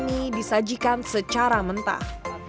ini disajikan secara mentah